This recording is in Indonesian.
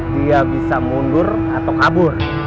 dia bisa mundur atau kabur